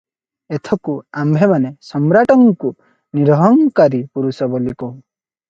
ଏଥକୁ ଆମ୍ଭେମାନେ ସମ୍ରାଟଙ୍କୁ ନିରହଙ୍କାରି ପୁରୁଷ ବୋଲି କହୁ ।